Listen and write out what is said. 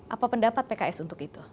apa pendapat pks untuk itu